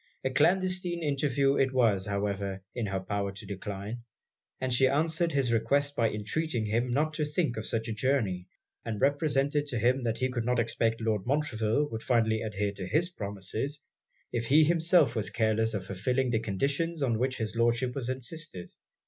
A clandestine interview it was, however, in her power to decline; and she answered his request by entreating him not to think of such a journey; and represented to him that he could not expect Lord Montreville would finally adhere to his promises, if he himself was careless of fulfilling the conditions on which his Lordship had insisted.